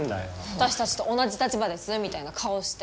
私たちと同じ立場ですみたいな顔して。